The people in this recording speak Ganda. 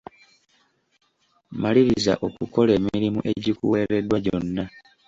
Maliriza okukola emirimu egikuweereddwa gyonna.